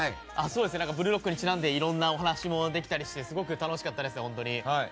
「ブルーロック」にちなんでいろいろなお話もできたりして楽しかったですね、本当に。